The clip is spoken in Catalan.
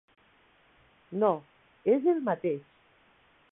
No, és el mateix.